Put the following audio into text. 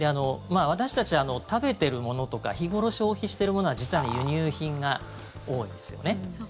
私たちは食べているものとか日頃消費しているものは実は輸入品が多いんですね。